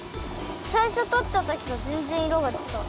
さいしょとったときとぜんぜんいろがちがう。